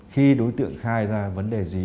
khi đối tượng khai ra vấn đề gì